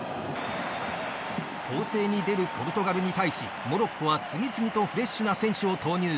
攻勢に出るポルトガルに対しモロッコは次々とフレッシュな選手を投入。